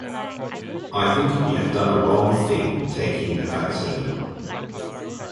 I think you have done a wrong thing taking a vaccine.